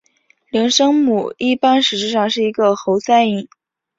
零声母一般实质上为一个喉塞音。